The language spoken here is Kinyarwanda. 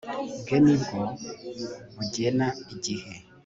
bwe nibwo bugena igihe